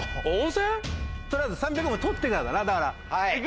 取りあえず３００万取ってからだな。